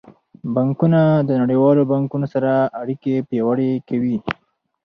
بانکونه د نړیوالو بانکونو سره اړیکې پیاوړې کوي.